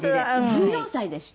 １４歳でした。